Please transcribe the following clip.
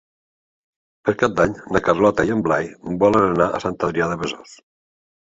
Per Cap d'Any na Carlota i en Blai volen anar a Sant Adrià de Besòs.